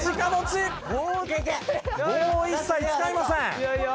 棒を一切使いません。